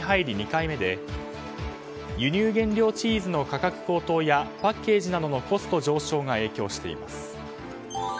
２回目で輸入原料チーズの価格高騰やパッケージなどのコスト上昇が影響しています。